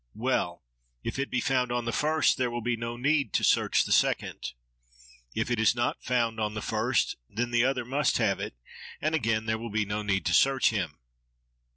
Well! if it be found on the first there will be no need to search the second; if it is not found on the first, then the other must have it; and again, there will be no need to search him.